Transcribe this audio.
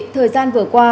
thời gian vừa qua